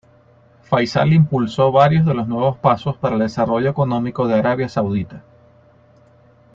Faisal impulsó varios de los nuevos pasos para el desarrollo económico de Arabia Saudita.